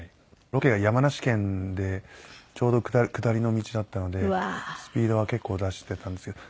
ロケが山梨県でちょうど下りの道だったのでスピードは結構出してたんですけど。